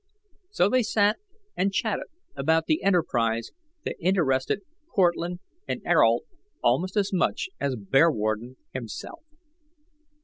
So they sat and chatted about the enterprise that interested Cortlandt and Ayrault almost as much as Bearwarden himself.